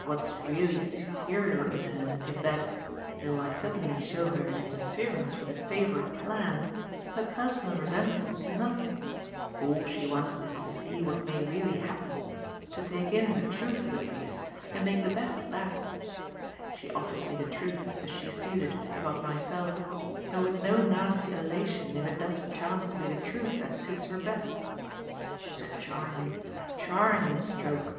"What's really 'superior' in her is that, though I suddenly show her an interference with a favourite plan, her personal resentment's nothing all she wants is to see what may really happen, to take in the truth of the case and make the best of that. She offers me the truth, as she sees it, about myself, and with no nasty elation if it does chance to be the truth that suits her best. It was a charming, charming stroke."